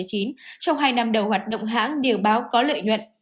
trong hai năm đầu hoạt động hãng điều báo có lợi nhuận